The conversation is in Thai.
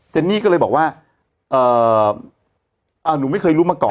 นี่ก็เลยบอกว่าหนูไม่เคยรู้มาก่อน